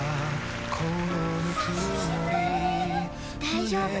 大丈夫。